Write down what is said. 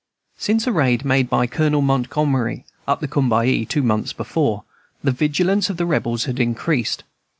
Since a raid made by Colonel Montgomery up the Combahee, two months before, the vigilance of the Rebels had increased.